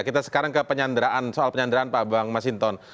kita sekarang ke penyanderaan soal penyanderaan pak mas hinton